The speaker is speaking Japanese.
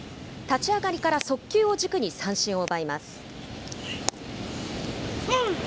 立ち上がりから速球を軸に三振を奪います。